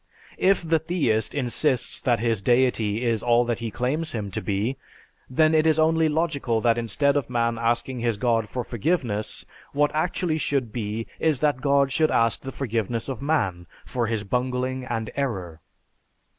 If the theist insists that his deity is all that he claims him to be, then it is only logical that instead of man asking his god for forgiveness, what actually should be is that God should ask the forgiveness of man for his bungling and error.